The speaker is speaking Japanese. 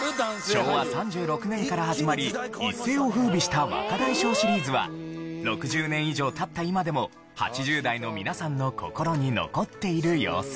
昭和３６年から始まり一世を風靡した『若大将』シリーズは６０年以上経った今でも８０代の皆さんの心に残っている様子。